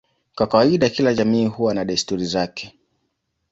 Kwa kawaida kila jamii huwa na desturi zake.